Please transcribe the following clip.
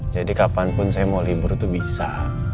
jadi kapanpun saya mau libur itu bisa